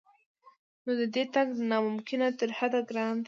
نو د دې تګ دی نا ممکن تر حده ګران دی